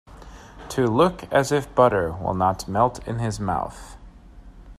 To look as if butter will not melt in his mouth.